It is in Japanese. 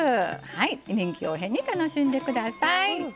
臨機応変に楽しんでください。